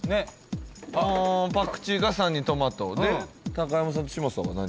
あパクチーが３人トマトで高山さんと嶋佐は何？